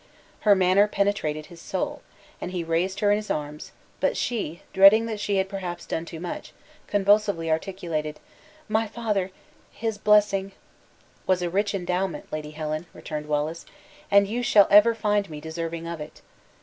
Her manner penetrated his soul, and he raised her in his arms; but she, dreading that she had perhaps done too much, convulsively articulated, "My father his blessing " "Was a rich endowment, Lady Helen," returned Wallace, "and you shall ever find me deserving of it."